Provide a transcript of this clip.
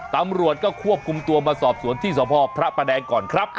ตำรวจก็ควบคุมตัวมาสอบสวนที่สพพระประแดงก่อนครับ